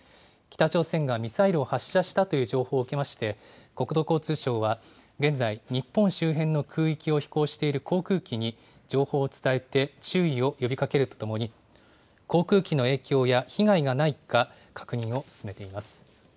北朝鮮がミサイルを発射したという情報を受けまして、国土交通省は現在、日本周辺の空域を飛行している航空機に情報を伝えて、注意を呼びかけるとともに、航空機の影響や被害がないか確認を進めています。